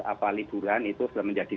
apa liburan itu sudah menjadi